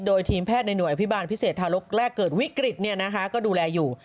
โดยทีมแพทย์ในหน่วยอภิบาลพิเศษทารกแรกเกิดวิกฤตก็ดูแลอยู่